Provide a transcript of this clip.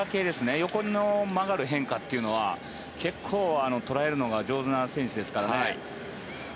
横に曲がる変化というのは結構、捉えるのが上手な選手ですからね。